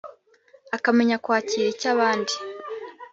akamenya kwakira icyabandi